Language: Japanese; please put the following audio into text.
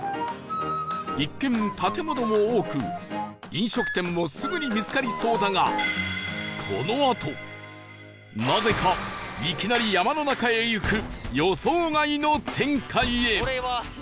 一見建物も多く飲食店もすぐに見つかりそうだがこのあとなぜかいきなり山の中へ行く予想外の展開へ